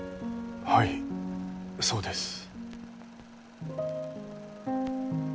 はいそうです。